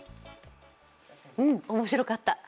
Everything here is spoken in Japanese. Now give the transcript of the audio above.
うん、面白かった。